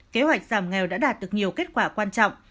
kế hoạch giảm nghèo đã đạt được nhiều kết quả quan trọng